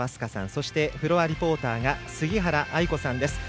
そして、フロアリポーターが杉原愛子さんです。